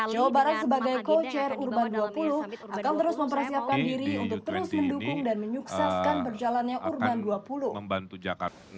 jawa barat sebagai kocer urban dua puluh akan terus mempersiapkan diri untuk terus mendukung dan menyukseskan berjalannya urban dua puluh membantu jakarta